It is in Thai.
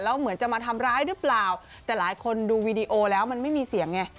แล้วเหมือนจะมาทำร้ายหรือเปล่าแต่หลายคนดูวีดีโอแล้วมันไม่มีเสียงไง